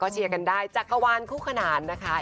เชียร์กันได้จักรวาลคู่ขนานนะคะ